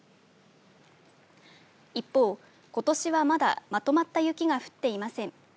一方、ことしはまだ、まとまった雪が降っていません。